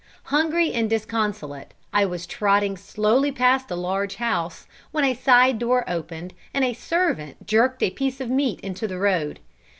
Hungry and disconsolate, I was trotting slowly past a large house, when a side door opened, and a servant jerked a piece of meat into the road.